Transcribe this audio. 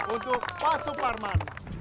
untuk pak suparman